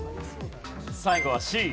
最後はＣ。